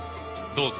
どうぞ。